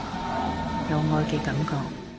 有愛嘅感覺